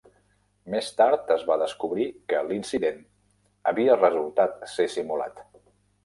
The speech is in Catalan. Més tard es va descobrir que l'incident havia resultat ser simulat.